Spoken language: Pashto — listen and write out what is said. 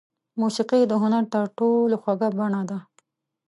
موسیقي د هنر تر ټولو خوږه بڼه ده.